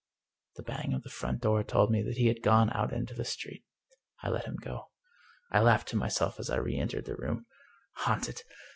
" The bang of the front door told me that he had gone out into the street. I let him go. I laughed to myself as I reentered the room. Haunted!